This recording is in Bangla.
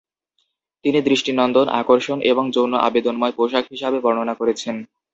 তিনি দৃষ্টিনন্দন, আকর্ষক এবং যৌন আবেদনময় পোশাক হিসাবে বর্ণনা করেছেন।